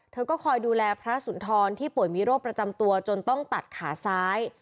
เธอก็คอยดูแลพระสุนทรที่ป่วยมีโรคประจำตัวจนต้องตัดขาซ้าย